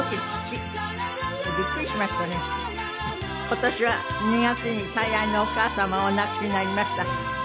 今年は２月に最愛のお母様をお亡くしになりました。